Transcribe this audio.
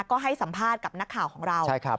ก็ให้สัมภาษณ์กับนักข่าวของเรา